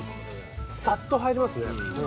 さっと入りますね。